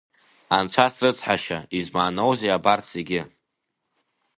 Анцәа срыцҳашьа, измааноузеи абарҭ зегьы?